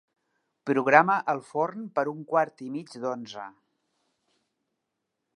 Programa el forn per a un quart i mig d'onze.